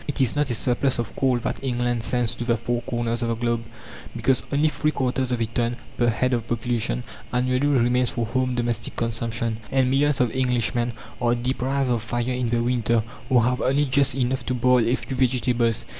It is not a surplus of coal that England sends to the four corners of the globe, because only three quarters of a ton, per head of population, annually, remains for home domestic consumption, and millions of Englishmen are deprived of fire in the winter, or have only just enough to boil a few vegetables.